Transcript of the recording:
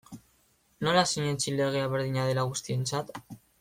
Nola sinetsi legea berdina dela guztientzat?